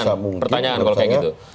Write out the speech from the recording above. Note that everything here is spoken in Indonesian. sebesar mungkin menurut saya